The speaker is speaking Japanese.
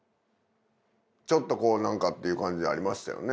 ちょっとこう何かっていう感じありましたよね。